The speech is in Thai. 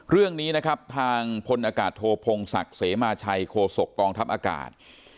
เรื่องนี้นะครับทางพลอากาศโทพงศักดิ์เสมาชัยโคศกกองทัพอากาศ